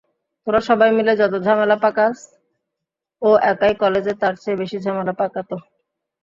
তোরা সবাই মিলে যত ঝামেলা পাকাস ও একাই কলেজে তার চেয়ে বেশি ঝামেলা পাকাত।